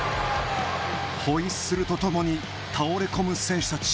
ホイッスルとともに倒れ込む選手たち。